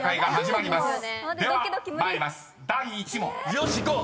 よしっいこう！